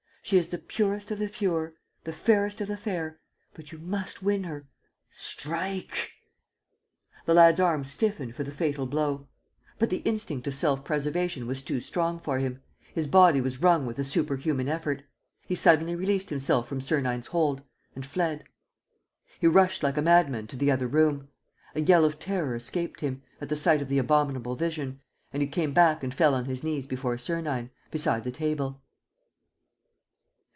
She is the purest of the pure, the fairest of the fair. But you must win her. Strike!" The lad's arm stiffened for the fatal blow; but the instinct of self preservation was too strong for him. His body was wrung with a superhuman effort. He suddenly released himself from Sernine's hold and fled. He rushed like a madman to the other room. A yell of terror escaped him, at the sight of the abominable vision, and he came back and fell on his knees before Sernine, beside the table.